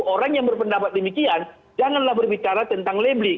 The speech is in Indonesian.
orang yang berpendapat demikian janganlah berbicara tentang labeling